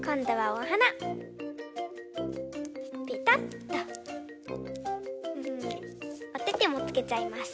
おててもつけちゃいます。